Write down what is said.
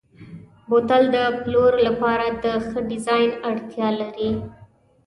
بوتل د پلور لپاره د ښه ډیزاین اړتیا لري.